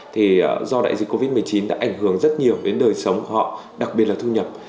thì do đại dịch covid một mươi chín đã ảnh hưởng rất nhiều đến đời sống của họ đặc biệt là thu nhập